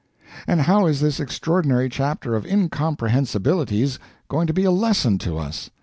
And how is this extraordinary chapter of incomprehensibilities going to be a "lesson" to us?